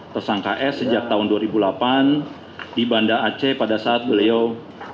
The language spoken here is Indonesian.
tersangka s sejak tahun dua ribu delapan di banda aceh pada saat beliau